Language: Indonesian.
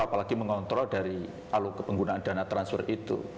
apalagi mengontrol dari penggunaan dana transfer itu